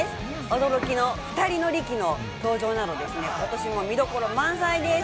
驚きの２人乗り機の登場などですね、今年も見どころ満載です。